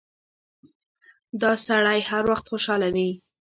دا سړی هر وخت خوشاله وي.